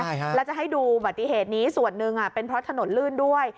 ใช่ฮะแล้วจะให้ดูอุบัติเหตุนี้ส่วนหนึ่งเป็นเพราะถนนลื่นด้วย